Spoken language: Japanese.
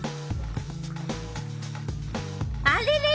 あれれれ？